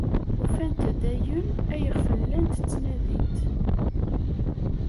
Ufant-d ayen ayɣef llant ttnadint.